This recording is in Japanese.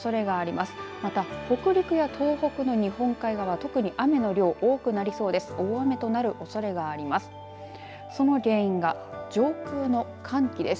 また北陸や東北の日本海側、特に雨の量多くなりそうです。